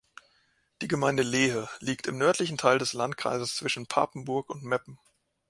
Die Gemeinde Lehe liegt im nördlichen Teil des Landkreises zwischen Papenburg und Meppen.